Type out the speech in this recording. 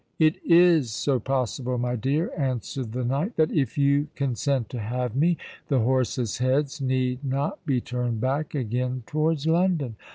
"It is so possible, my dear," answered the knight, "that if you consent to have me, the horses' heads need not be turned back again towards London."